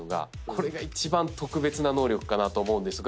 これが一番特別な能力かなと思うんですが。